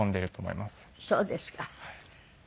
そうですか。